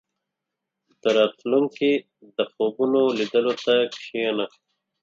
• د راتلونکي د خوبونو لیدلو ته کښېنه.